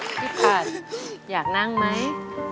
พี่พัดอยากนั่งไหม